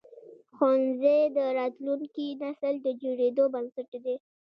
ښوونځي د راتلونکي نسل د جوړېدو بنسټ دي.